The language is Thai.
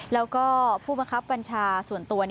แล้วก็ผู้บังคับบัญชาส่วนตัว